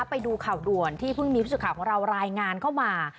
ไปดูข่าวด่วนที่เพิ่งมีผู้สื่อข่าวของเรารายงานเข้ามา